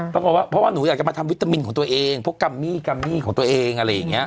ปรากฏว่าเพราะว่าหนูอยากจะมาทำวิตามินของตัวเองพวกกัมมี่กัมมี่ของตัวเองอะไรอย่างนี้